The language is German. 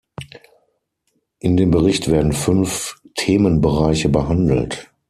In dem Bericht werden fünf Themenbereiche behandelt.